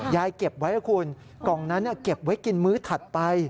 ยายเก็บไว้นะคุณกล่องนั้นเก็บไว้กินมื้อถัดไป